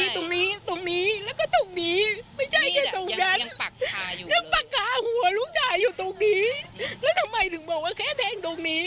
แทงทั้งตรงนี้ตรงนี้ตรงนี้ตรงนี้แล้วก็ตรงนี้